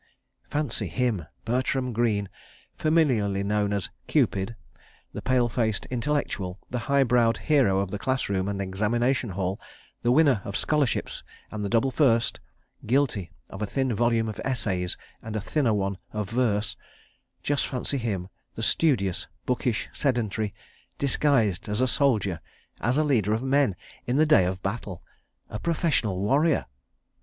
Fancy him, Bertram Greene, familiarly known as "Cupid," the pale faced "intellectual," the highbrowed hero of the class room and examination hall, the winner of scholarships and the double first, guilty of a thin volume of essays and a thinner one of verse—just fancy him, the studious, bookish sedentary, disguised as a soldier, as a leader of men in the day of battle, a professional warrior!